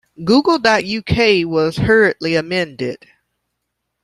Google dot uk was hurriedly amended.